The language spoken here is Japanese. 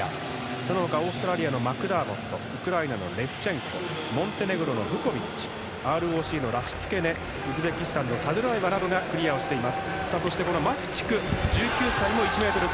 その他、オーストラリアのマクダーモットウクライナのレフチェンコモンテネグロのブコビッチＲＯＣのラシツケネウズベキスタンのサドゥラエワ選手がクリアをしています。